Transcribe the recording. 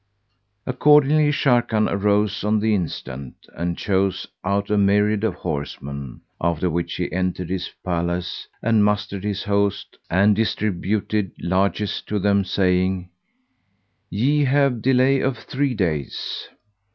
Accordingly, Sharrkan arose on the instant, and chose out a myriad of horsemen, after which he entered his palace and mustered his host and distributed largesse to them, saying, "Ye have delay of three days."